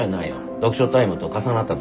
読書タイムと重なった時だけな。